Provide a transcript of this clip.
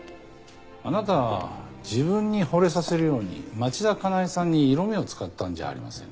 あなたは自分にほれさせるように町田加奈江さんに色目を使ったんじゃありませんか？